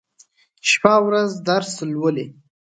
شپه او ورځ درس لولي.